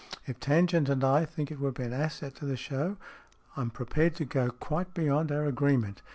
If Tangent and I think it would be an asset to the show, I am prepared to go quite beyond our agree ment.